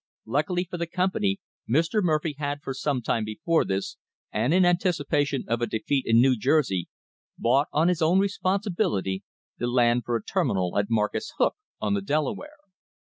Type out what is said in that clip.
Luckily for the company, Mr. Murphy had, some time before this, and in anticipation of a defeat in New Jersey, bought on his own responsibility the land for a ter minal at Marcus Hook, on the Delaware.